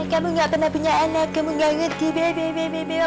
kamu gak pernah punya anak kamu gak ngerti bebe bebe bebe